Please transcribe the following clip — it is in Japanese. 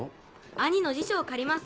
兄の辞書を借ります。